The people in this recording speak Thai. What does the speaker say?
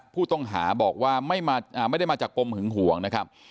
ผู้ต้องหาบอกว่าไม่ได้มาจากปมหึงห่วงนะครับ